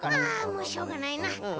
あもうしょうがないな。